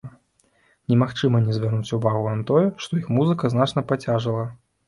Немагчыма не звярнуць увагу на тое, што іх музыка значна пацяжэла.